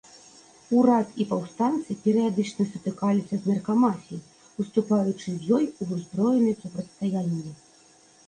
Урад і паўстанцы перыядычна сутыкаліся з наркамафіяй, уступаючы з ёй у ўзброены супрацьстаяння.